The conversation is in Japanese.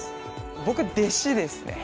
僕弟子ですね。